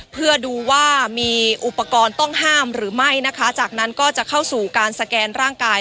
เพื่อดูว่ามีอุปกรณ์ต้องห้ามหรือไม่นะคะจากนั้นก็จะเข้าสู่การสแกนร่างกาย